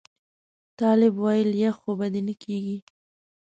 طالب ویل یخ خو به دې نه کېږي.